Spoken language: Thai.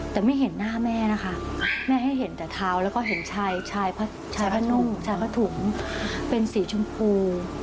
แต่ไม่เห็นหน้าแม่นะคะแม่ให้เห็นแต่เท้าแล้วก็เห็นชายชายผ้านุ่งชายผ้าถุงเป็นสีชมพู